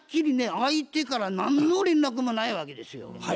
相手から何の連絡もないわけですよ。